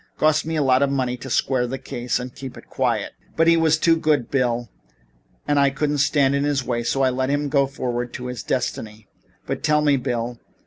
Cost me a lot of money to square the case and keep it quiet. But he was too good, Bill, and I couldn't stand in his way; I let him go forward to his destiny. But tell me, Bill.